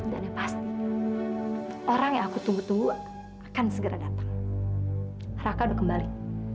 dan ya pasti orang yang aku tunggu tunggu akan segera datang raka udah kembali